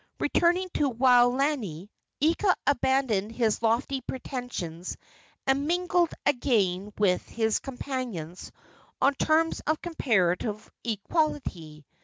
Returning to Waolani, Ika abandoned his lofty pretensions and mingled again with his companions on terms of comparative equality.